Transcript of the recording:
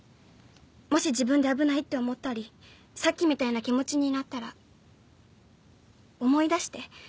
もし自分で危ないって思ったりさっきみたいな気持ちになったら思い出して。